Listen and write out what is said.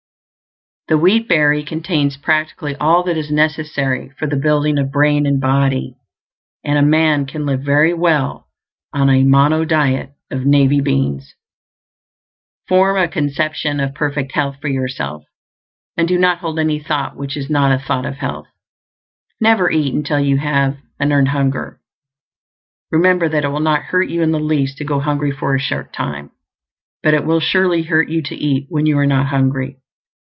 The wheat berry contains practically all that is necessary for the building of brain and body; and a man can live very well on a monodiet of navy beans. Form a conception of perfect health for yourself, and do not hold any thought which is not a thought of health. NEVER eat until you have an EARNED HUNGER. Remember that it will not hurt you in the least to go hungry for a short time; but it will surely hurt you to eat when you are not hungry.